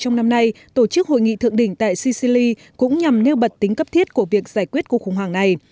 trong năm nay tổ chức hội nghị thượng đỉnh tại sicili cũng nhằm nêu bật tính cấp thiết của việc giải quyết cuộc khủng hoảng này